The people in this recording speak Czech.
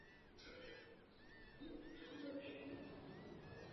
V šesti letech jí poznamenala další událost.